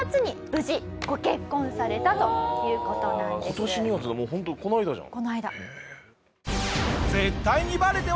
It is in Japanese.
今年２月ってホントこの間じゃん。